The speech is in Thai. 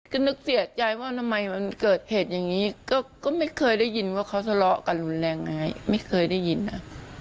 ก็นึกเสียใจว่าทำไมมันเกิดเหตุอย่างนี้ก็ไม่เคยได้ยินว่าเขาทะเลาะกันรุนแรงไงไม่เคยได้ยินนะ